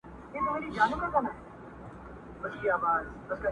پاچهي دي مبارک سه چوروندکه٫